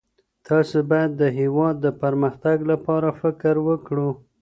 تاسو بايد د هېواد د پرمختګ لپاره فکر وکړو.